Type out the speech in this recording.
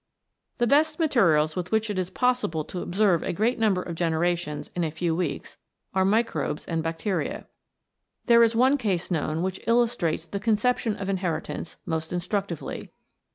The best materials with which it is possible to observe a great number of generations in a few weeks are microbes and bacteria. There is one case known which illustrates the conception of inheritance most instructively.